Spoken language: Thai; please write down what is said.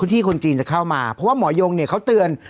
ที่คนจีนจะเข้ามาเพราะว่าหมอยงเนี่ยเขาเตือน